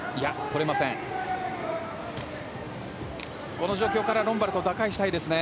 この状況から、ロンバルド打開したいですね。